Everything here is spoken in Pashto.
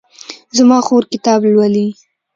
زما خور کتاب لولي